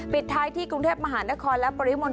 ปิดท้ายที่กรุงเทพมหานครและปริมณฑ